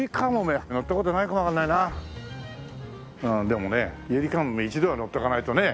でもねゆりかもめ一度は乗っておかないとね